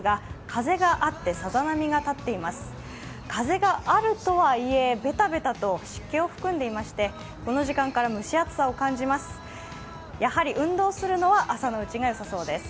風があるとはいえ、ベタベタと湿気を含んでいましてこの時間から蒸し暑さを感じます。